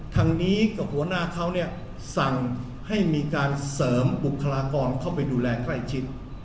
ทางนี้กับหัวหน้าเขาเนี่ยสั่งให้มีการเสริมบุคลากรเข้าไปดูแลใกล้ชิด